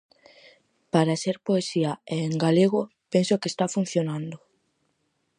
Para ser poesía e en galego, penso que está funcionando.